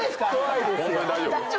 ホントに大丈夫？